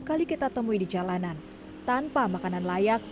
karena udah apa ya